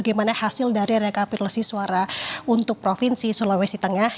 bagaimana hasil dari rekapitulasi suara untuk provinsi sulawesi tengah